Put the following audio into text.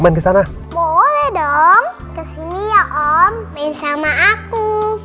main sama aku